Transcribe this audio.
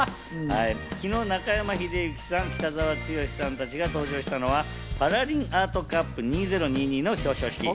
昨日、中山秀征さん、北澤豪さん達が登場したのはパラリンアートカップ２０２２の表彰式。